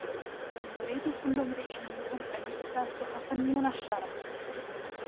بَلْ يُرِيدُ كُلُّ امْرِئٍ مِّنْهُمْ أَن يُؤْتَى صُحُفًا مُّنَشَّرَةً